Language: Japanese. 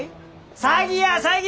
詐欺や詐欺！